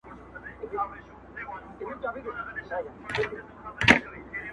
o چرته نه کار، هلته څه کار.